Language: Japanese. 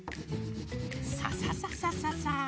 ササササササ。